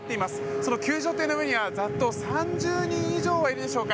その救助艇の上には３０人以上の移民がいるでしょうか。